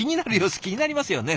気になりますよね